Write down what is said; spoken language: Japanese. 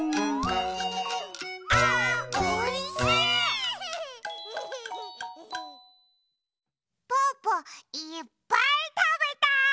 「あーおいしい！」ぽぅぽいっぱいたべた！